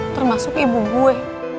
termasuk ibu gue